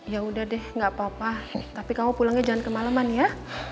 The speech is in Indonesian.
ya udah deh gak apa apa tapi kamu pulangnya jangan kemaleman ya